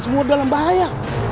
semua dalam bahaya